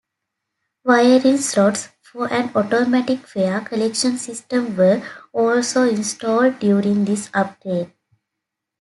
Wiring slots for an automatic fare collection system were also installed during this upgrade.